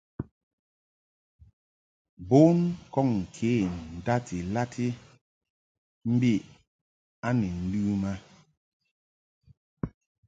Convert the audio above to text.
Bon kɔŋ kə ndati lati mbi a ni ləm a.